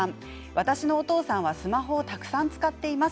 私のお父さんはスマホをたくさん使っています。